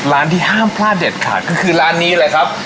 ร้านที่ห้ามพลาดเด็ดขาดก็คือร้านนี้เลยครับ